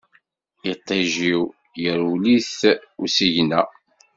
Iṭij-iw, iṛmel-it usigna.